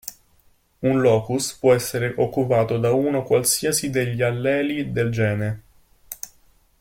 Un locus può essere occupato da uno qualsiasi degli alleli del gene.